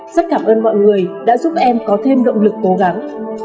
rất cảm ơn mọi người đã giúp em có thêm động lực cố gắng